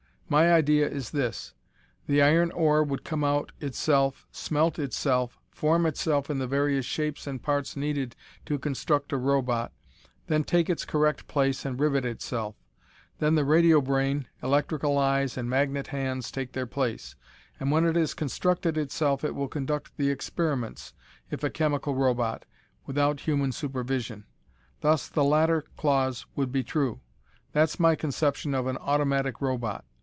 My idea is this: the iron ore would come out itself, smelt itself, form itself in the various shapes and parts needed to construct a robot, then take its correct place and rivet itself. Then the radio brain, electrical eyes and magnet hands take their place; and when it has constructed itself it will conduct the experiments if a chemical robot without human supervision. Thus, the latter clause would be true! That's my conception of an automatic robot!